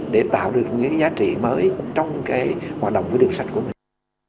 để tạo được những giá trị mới trong hoạt động với đường sách của mình